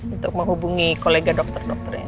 untuk menghubungi kolega dokter dokternya